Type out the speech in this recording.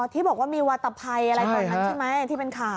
ที่บอกว่ามีวาตภัยอะไรตรงนั้นใช่ไหมที่เป็นข่าว